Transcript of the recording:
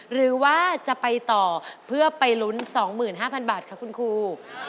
หรือว่าจะไปต่อเพื่อไปลุ้น๒๕๐๐บาทค่ะคุณครู